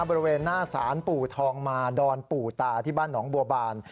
บริเวณหน้าศาลปู่ทองมาดอนปู่ตาที่บ้านหนองบัวบาน